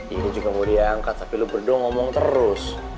ini juga mau diangkat tapi lu berdua ngomong terus